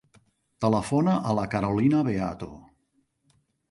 Telefona a la Carolina Beato.